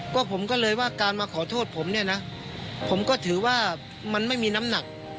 ก็ผมก็เลยว่าการมาขอโทษผมเนี่ยนะผมก็ถือว่ามันไม่มีน้ำหนัก